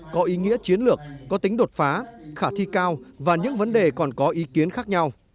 có ý nghĩa chiến lược có tính đột phá khả thi cao và những vấn đề còn có ý kiến khác nhau